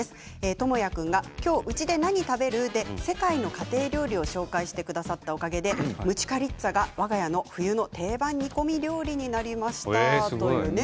倫也君が「今日、うちでなに食べる？」で世界の家庭料理を紹介してくださったおかげでムチュカリッツァがわが家の定番料理になりました。